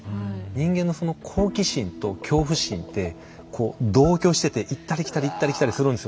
人間のその好奇心と恐怖心ってこう同居してて行ったり来たり行ったり来たりするんですよね。